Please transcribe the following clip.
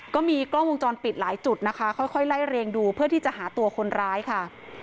ก็มีกล้องวงจรปิดหลายจุดนะคะค่อยไล่เรียงดูเพื่อที่จะหาตัวคนร้ายค่ะ